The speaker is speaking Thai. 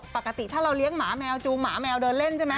ปกติถ้าเราเลี้ยงหมาแมวจูงหมาแมวเดินเล่นใช่ไหม